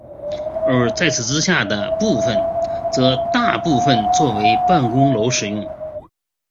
而在此之下的部分则大部分作为办公楼使用。